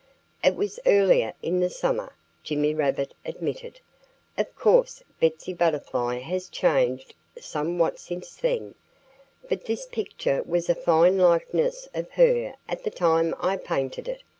"It was earlier in the summer," Jimmy Rabbit admitted. "Of course, Betsy Butterfly has changed somewhat since then. But this picture was a fine likeness of her at the time I painted it....